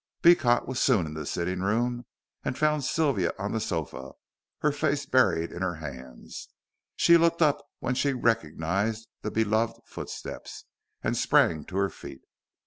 Beecot was soon in the sitting room and found Sylvia on the sofa, her face buried in her hands. She looked up when she recognized the beloved footsteps and sprang to her feet.